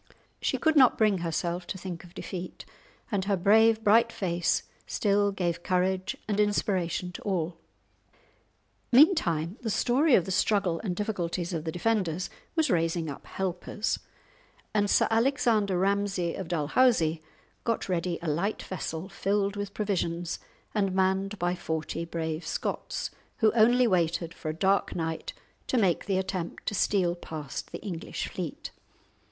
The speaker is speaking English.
She could not bring herself to think of defeat, and her brave, bright face still gave courage and inspiration to all. Meantime the story of the struggle and difficulties of the defenders was raising up helpers, and Sir Alexander Ramsay of Dalhousie got ready a light vessel filled with provisions and manned by forty brave Scots, who only waited for a dark night to make the attempt to steal past the English fleet.